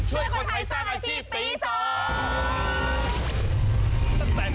ช่วยคนไทยสร้างอาชีพปีสอง